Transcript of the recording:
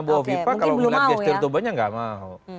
bukovifah kalau melihat gestur tubuhnya nggak mau